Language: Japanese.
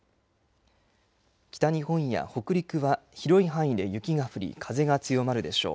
北日本や北陸は広い範囲で雪が降り、風が強まるでしょう。